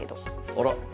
あら。